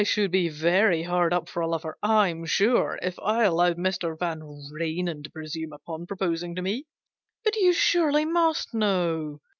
T should be very hard up for a lover, I'm sure, if I allowed Mr. Vanrenen to presume upon proposing to me. ... But you surely must know